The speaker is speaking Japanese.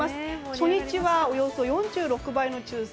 初日はおよそ４６倍の抽選。